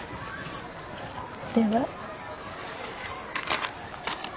では。